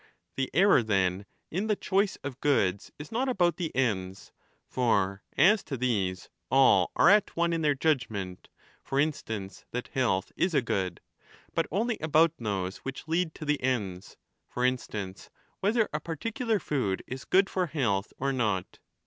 The error, then, in the choice of goods is not about the ends (for as to these all are at one in their judgement, for instance, that health is a good), but only about those which 5 lead to the ends ; for instance, whether a particular food is good for health or not.